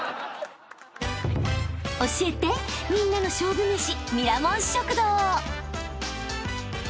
［教えてみんなの勝負めし］